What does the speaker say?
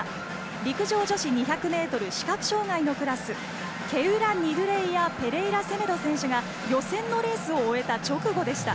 陸上女子２００ｍ視覚障がいのクラスケウラニドゥレイア・ペレイラセメド選手が予選のレースを終えた直後でした。